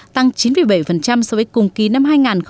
tăng chín bảy so với cùng kỳ năm hai nghìn một mươi tám